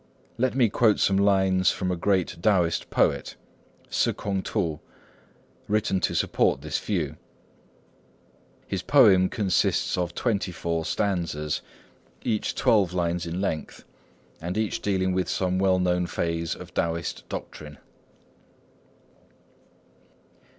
Let me quote some lines from a great Taoist poet, Ssŭ k'ung T'u, written to support this view. His poem consists of twenty four stanzas, each twelve lines in length, and each dealing with some well known phase of Taoist doctrine.